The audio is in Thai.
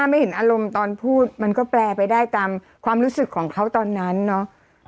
ไม่เห็นอารมณ์ตอนพูดมันก็แปลไปได้ตามความรู้สึกของเขาตอนนั้นเนาะ